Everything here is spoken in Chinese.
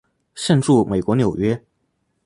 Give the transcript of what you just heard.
现住美国纽约。